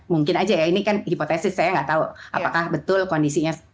mungkin aja ya ini kan hipotesis saya nggak tahu apakah betul kondisinya